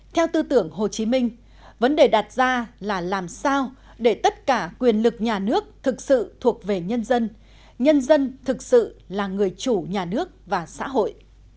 theo tư tưởng hồ chí minh vấn đề đặt ra là làm sao để tất cả quyền lực nhà nước thực sự thuộc về nhân dân nhân dân thực sự là người chủ nhà nước và xã hội